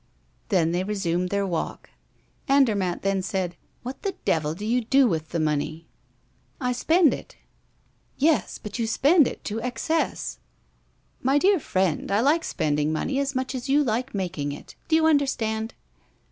Then they resumed their walk. Andermatt then said: "What the devil do you do with the money?" "I spend it." "Yes, but you spend it to excess." "My dear friend, I like spending money as much as you like making it. Do you understand?"